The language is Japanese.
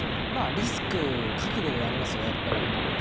リスク覚悟ではありますよね、やっぱり。